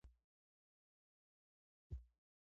خوب د نرم ذهن عکس دی